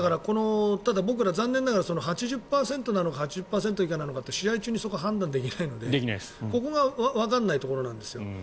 ただ、僕らは残念ながら８０％なのか８０％以下なのかって試合中にそこは判断できないのでここがわからないところなんですよ。